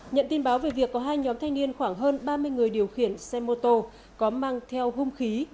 nhận tin báo về việc có hai nhóm thanh niên khoảng hơn ba mươi người điều khiển xe mô tô có mang theo hung khí